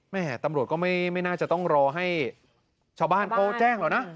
แม่ตำรวจก็ไม่น่าจะต้องรอให้ชาวบ้านเขาแจ้งหรอกนะ